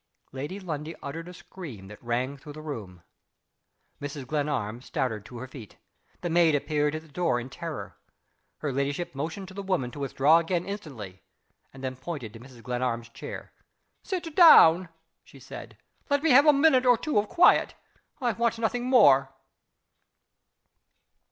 Lady Lundie uttered a scream that rang through the room. Mrs. Glenarm started to her feet. The maid appeared at the door in terror. Her ladyship motioned to the woman to withdraw again instantly, and then pointed to Mrs. Glenarm's chair. "Sit down," she said. "Let me have a minute or two of quiet. I want nothing more."